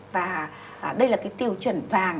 và đây là cái tiêu chuẩn vàng